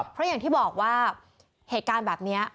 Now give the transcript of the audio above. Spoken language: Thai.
เพราะอย่างที่บอกว่าเหตุการณ์แบบนี้